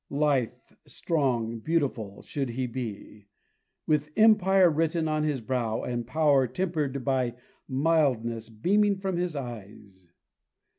Lithe, strong, beautiful should he be, with Empire written on his brow and power tempered by mildness beaming from his eyes.